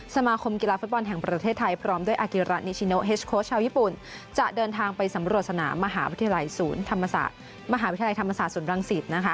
ธรรมศาสตร์มหาวิทยาลัยธรรมศาสตร์ศูนย์รังศิษฐ์